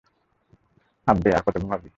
আব্বে, আর কতো ঘুমাবি।